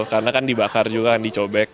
karena kan dibakar juga kan dicobek